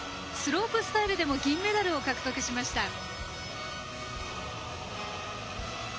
スロープスタイルでも銀メダルを獲得しました。